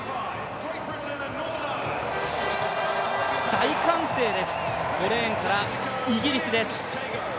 大歓声です、５レーンからイギリスです。